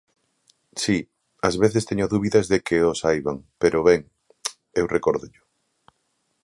Si, ás veces teño dúbidas de que o saiban, pero Ben, eu recórdollo.